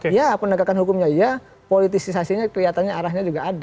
ya pendegakan hukumnya ya politisasinya kelihatannya arahnya juga ada